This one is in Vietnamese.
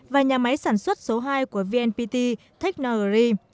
và nhà máy sản xuất số hai của vnpt technogary